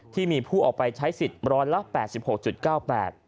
ที่มีผู้ออกไปใช้สิทธิ์ร้อนละ๘๖๙๘